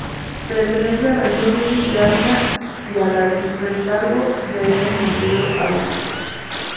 Pertenece a la diócesis de Ávila y al arciprestazgo de Arenas de San Pedro.Ávila